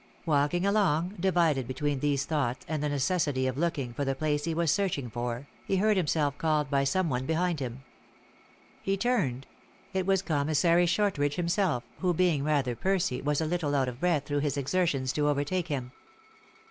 Walking along, divided between these thoughts and the necessity of looking for the place he was searching for, he heard himself called by some one behind him. He turned ; it was Commissary Shortridge himself, who being rather pursy, was a little out of breath through his exertions to overtake him.